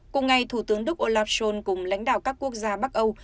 cùng ngày thủ tướng đức olaf schol cùng lãnh đạo các quốc gia bắc âu